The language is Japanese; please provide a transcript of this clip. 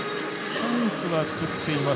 チャンスは作っています。